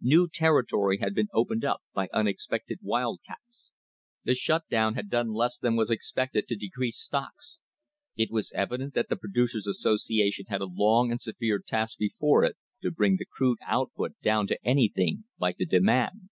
New territory had been opened up by unexpected wildcats. The shut down had done less than was expected to decrease stocks. It was evident that the Pro ducers' Association had a long and severe task before it to bring the crude output down to anything like the demand.